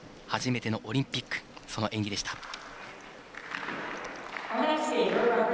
初めてのオリンピックその演技でした。